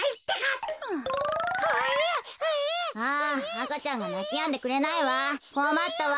赤ちゃんがなきやんでくれないわこまったわ。